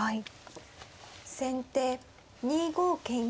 先手２五桂馬。